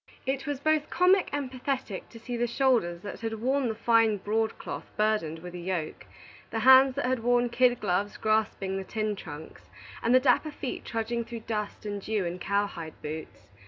It was both comic and pathetic to see the shoulders that had worn the fine broadcloth burdened with a yoke, the hands that had worn kid gloves grasping the tin trunks, and the dapper feet trudging through dust and dew in cow hide boots.